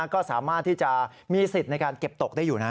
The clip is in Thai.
ก็สามารถที่จะมีสิทธิ์ในการเก็บตกได้อยู่นะ